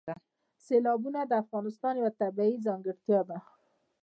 سیلابونه د افغانستان یوه طبیعي ځانګړتیا ده.